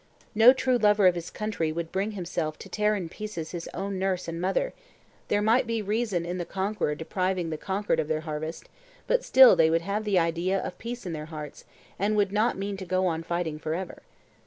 No true lover of his country would bring himself to tear in pieces his own nurse and mother: There might be reason in the conqueror depriving the conquered of their harvest, but still they would have the idea of peace in their hearts and would not mean to go on fighting for ever.